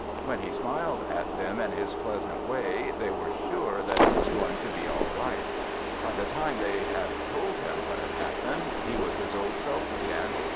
When he smiled at them in his pleasant way, they were sure that he was going to be all right. By the time they had told him what had happened, he was his old self again.